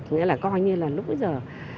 nghĩa là coi như là lúc bây giờ